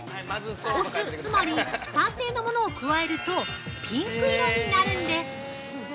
お酢、つまり酸性のものを加えるとピンク色になるんです。